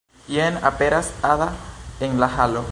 Jen aperas Ada en la halo.